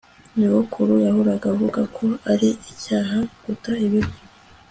Nyogokuru yahoraga avuga ko ari icyaha guta ibiryo